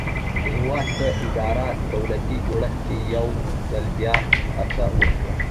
د هېواد په اداري دولتي جوړښت کې یو ځل بیا هڅه وشوه.